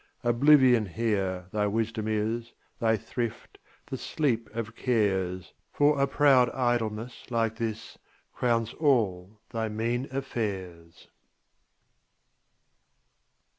Oblivion here thy wisdom is, Thy thrift, the sleep of cares; For a proud idleness like this Crowns all thy mean affairs.